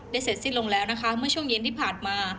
เสร็จสิ้นลงแล้วนะคะเมื่อช่วงเย็นที่ผ่านมา